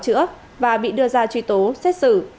chữa và bị đưa ra truy tố xét xử